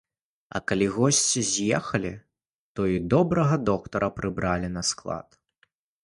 А калі госці з'ехалі, то і добрага доктара прыбралі на склад.